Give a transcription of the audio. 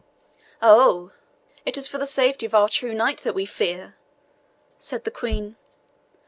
"Oh, it is for the safety of our true knight that we fear!" said the Queen.